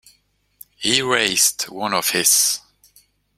He raised one of his.